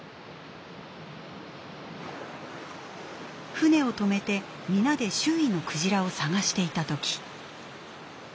船を止めて皆で周囲のクジラを探していた時。